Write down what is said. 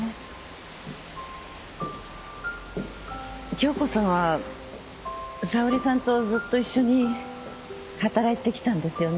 杏子さんは沙織さんとずっと一緒に働いてきたんですよね？